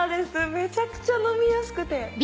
めちゃくちゃ飲みやすくて。